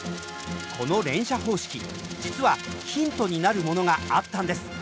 この連射方式実はヒントになるものがあったんです。